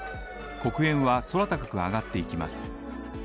黒煙は空高く上がっていきます。